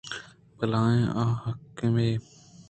بلاہیں احمقّے ئے